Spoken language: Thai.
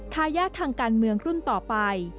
ทายาททางการเมืองรุ่นต่อไป